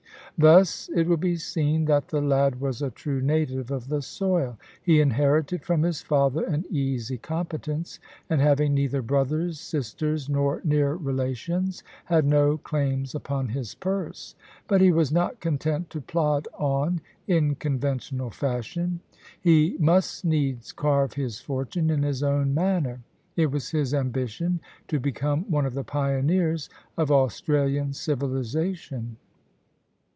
Thus it will be seen that the lad was a true native of the soil He inherited from his father an easy competence, and having neither brothers, sisters, nor near relations, had no claims upon his purse. But he was not content to plod on in conventional fashion; he 5 2 68 POLICY AND PASSION. must needs carve his fortune in his own manner. It was his ambition to become one of the pioneers of Australian civilisation.